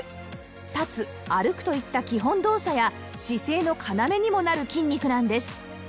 立つ歩くといった基本動作や姿勢の要にもなる筋肉なんです